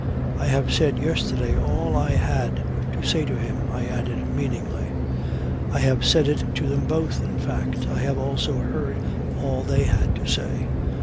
"I have said yesterday all I had to say to him," I added meaningly. "I have said it to them both, in fact. I have also heard all they had to say."